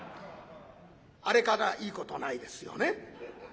あれからいいことないですよね。